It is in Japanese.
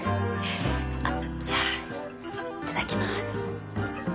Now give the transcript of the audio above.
あっじゃあいただきます。